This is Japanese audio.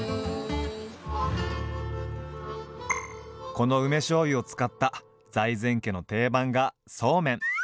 この梅しょうゆを使った財前家の定番がそうめん。